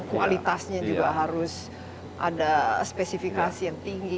kualitasnya juga harus ada spesifikasi yang tinggi